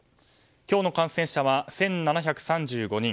今日の感染者は１７３５人。